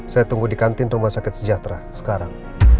saya tunggu di kantin rumah sakit sejahtera sekarang